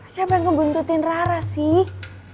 siapa yang ngebuntutin rara sih